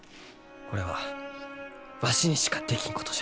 これはわしにしかできんことじゃ。